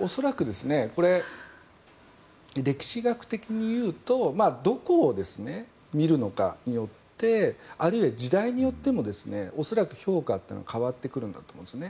恐らく、これは歴史学的に言うとどこを見るのかによってあるいは時代によっても恐らく評価というのは変わってくるんだと思います。